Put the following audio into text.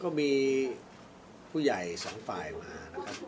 ก็มีผู้ใหญ่สองฝ่ายมานะครับ